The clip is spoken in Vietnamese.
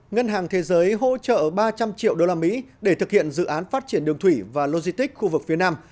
ngân hàng thế giới hỗ trợ ba trăm linh triệu đô la mỹ để thực hiện dự án phát triển đường thủy và logistic khu vực phía nam